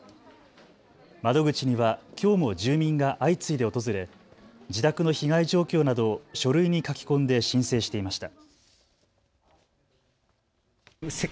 窓口にはきょうも住民が相次いで訪れ、自宅の被害状況などを書類に書き込んで申請していました。